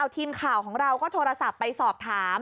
ทีมข่าวของเราก็โทรศัพท์ไปสอบถาม